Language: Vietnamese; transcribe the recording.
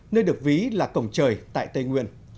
nơi được ví là cổng trời tại tây nguyên